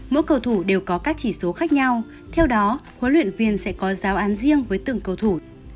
mỗi cầu thủ đều có các chỉ số khác nhau theo đó huấn luyện viên sẽ có giáo án riêng với từng cầu thủ